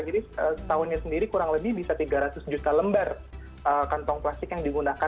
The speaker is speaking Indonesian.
jadi tahunnya sendiri kurang lebih bisa tiga ratus juta lembar kantong plastik yang digunakan